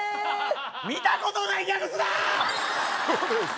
見たことないギャグすなーっ！